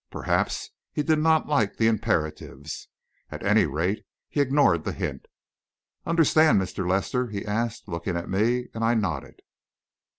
Perhaps he did not like the imperatives. At any rate, he ignored the hint. "Understand, Mr. Lester?" he asked, looking at me, and I nodded.